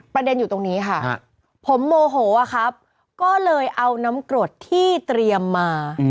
ประเด็นอยู่ตรงนี้ค่ะผมโมโหอะครับก็เลยเอาน้ำกรดที่เตรียมมา